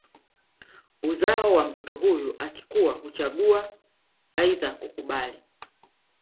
Uzao wa mtoto huyu akikua huchagua aidha kukubali